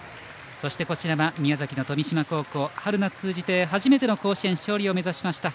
そして、宮崎の富島高校春夏通じて初めての甲子園勝利を目指しました。